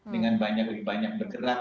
dengan lebih banyak bergerak